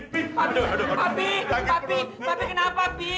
papi papi papi kenapa papi